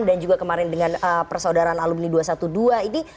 dan juga kemarin dengan persaudaraan alumni dua ratus dua belas